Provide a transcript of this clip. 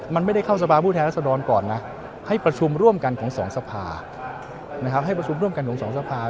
มันไม่ได้เข้าสภาพูดแท้รัศน์รอนก่อนนะให้ประชุมร่วมกันของสองสภา